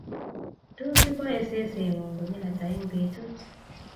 Tos ipoe seseng'ung' konyil ata eng' petut?